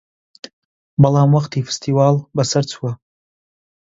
بەڵام وەختی فستیواڵ بەسەر چووە